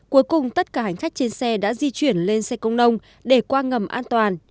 cuối cùng tất cả hành khách trên xe đã di chuyển lên xe công nông để qua ngầm an toàn